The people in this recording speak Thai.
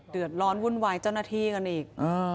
เดือดร้อนวุ่นวายเจ้าหน้าที่กันอีก